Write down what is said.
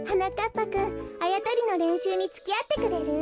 ぱくんあやとりのれんしゅうにつきあってくれる？